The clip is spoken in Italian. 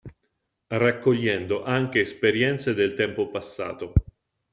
Raccogliendo anche esperienze del tempo passato.